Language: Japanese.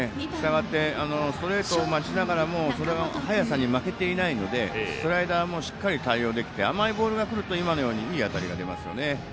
ストレートを待ちながらもそれが速さに負けていないのでスライダーもしっかり対応できて甘いボールがくると今のようにいい当たりが出ますよね。